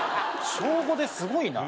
小５ですごいな。